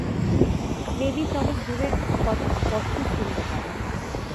Mavis অনেক দূরের কথা স্পষ্ট শুনতে পারে।